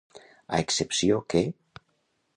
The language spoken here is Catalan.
A excepció que.